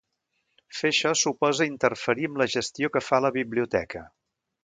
Fer això suposa interferir amb la gestió que fa la biblioteca.